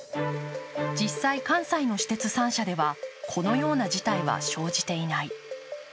実際、関西の私鉄３社ではこのような事態は生じていない。